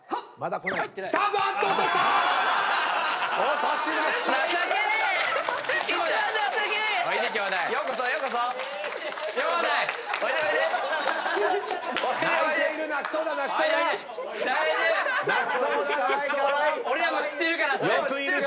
俺らも知ってるからそれ。